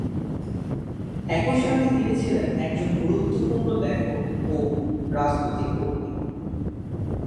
একই সাথে তিনি ছিলেন একজন গুরুত্বপূর্ণ লেখক ও রাজনৈতিক কর্মী।